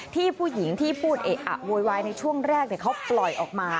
ที่ผู้หญิงที่พูดเอะอะโวยวายในช่วงแรกเขาปล่อยออกมา